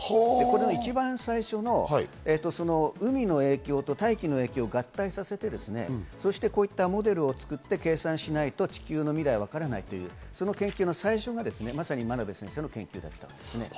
一番最初の海の影響と大気の影響を合体させて、こういったモデルを作って計算しないと地球の未来はわからないという、その研究の最初がまさに真鍋先生の研究だったんです。